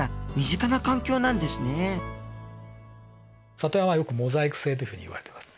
里山はよくモザイク性というふうにいわれてます。